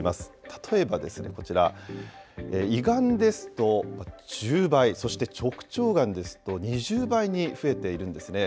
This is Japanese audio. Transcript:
例えばですね、こちら、胃がんですと１０倍、そして直腸がんですと２０倍に増えているんですね。